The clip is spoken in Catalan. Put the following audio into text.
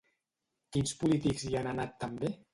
Quins polítics hi han anat també?